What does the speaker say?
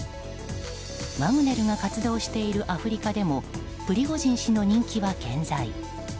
ワグネルが活動しているアフリカでもプリゴジン氏の人気は健在。